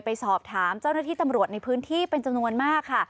ไปสอบถามเจ้าหน้าที่ตำรวจในพื้นที่เป็นจำนวนมากค่ะ